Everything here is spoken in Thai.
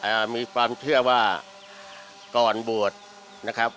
นักมอนนี่ครับมีความเชื่อว่าก่อนบวชนะครับ